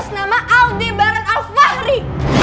sama aldebaran al fahri